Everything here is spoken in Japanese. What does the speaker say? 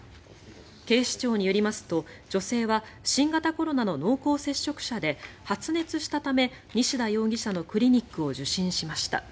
警視庁によりますと女性は新型コロナの濃厚接触者で発熱したため西田容疑者のクリニックを受診しました。